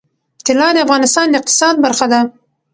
طلا د افغانستان د اقتصاد برخه ده.